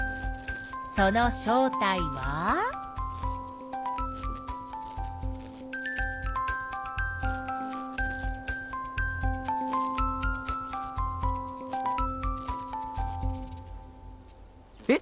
その正体は？え？